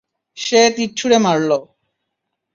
সে তীর ছুঁড়ে মারল।